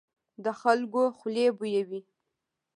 د خلکو خولې بويي.